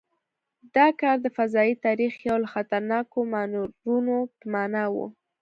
دا کار د فضايي تاریخ یو له خطرناکو مانورونو په معنا و.